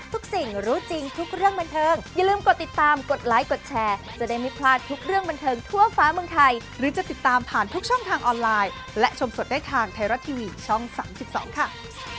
ส่วนเรื่องตัวเลขเดี๋ยวก็ตามบันเทิงตามกับบันเทิงไทยรัฐต่อนะครับ